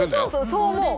そう思う。